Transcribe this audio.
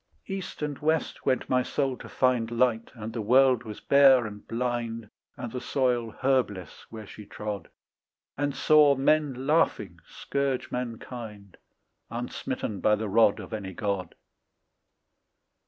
East and west went my soul to find Light, and the world was bare and blind And the soil herbless where she trod And saw men laughing scourge mankind, Unsmitten by the rod Of any God.